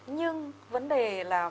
nhưng vấn đề là